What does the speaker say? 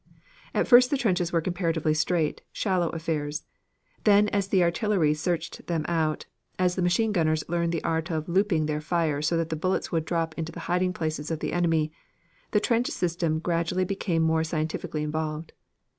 At first the trenches were comparatively straight, shallow affairs; then as the artillery searched them out, as the machine gunners learned the art of looping their fire so that the bullets would drop into the hiding places of the enemy, the trench systems gradually became more scientifically involved.